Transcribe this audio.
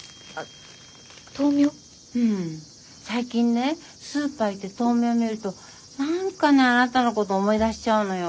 最近ねスーパー行って豆苗見ると何かねあなたのこと思い出しちゃうのよ。